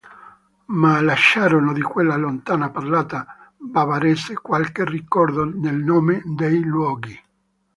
Ma lasciarono di quella lontana parlata bavarese qualche ricordo nel nome dei luoghi.